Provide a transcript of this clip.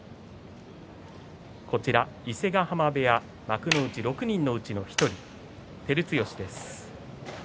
伊勢ヶ濱部屋幕内６人のうちの１人照強です。